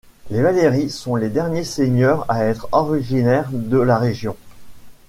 Les Vallery sont les derniers seigneurs à être originaires de la région.